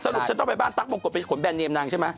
สรุปฉันต้องไปบ้านตากบรมกลมขนแบนเนี่ยมนางใช่ไหม